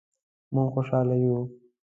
مونږ خوشحاله یو